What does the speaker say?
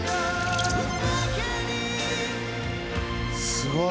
すごい。